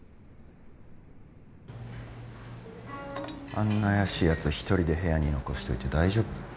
あんな怪しいやつ１人で部屋に残しといて大丈夫？